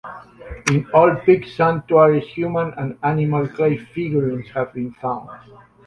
In all peak sanctuaries, human and animal clay figurines have been found.